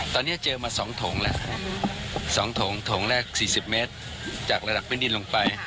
ตอนนี้เจอมา๒ถงแล้ว๒ถงถงแรก๔๐เมตรจากระดับพื้นดินลงไป